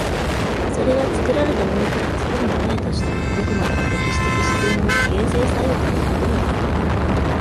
それは作られたものから作るものへとして、どこまでも歴史的自然の形成作用ということができる。